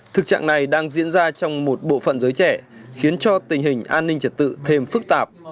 thực trạng này đang diễn ra trong một bộ phận giới trẻ khiến cho tình hình an ninh trật tự thêm phức tạp